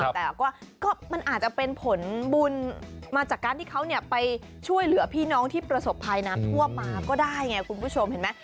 แต่ก็มันอาจจะเป็นผลบุญมาจากการที่เขาไปช่วยเหลือพี่น้องที่ประสบภัยน้ำท่วมมาก็ได้ไงคุณผู้ชมเห็นไหม